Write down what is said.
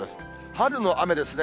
春の雨ですね。